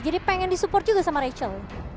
jadi pengen di support juga sama rachel